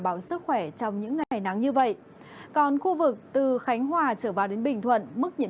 báo sức khỏe trong những ngày nắng như vậy còn khu vực từ khánh hòa trở vào đến bình thuận mức nhiệt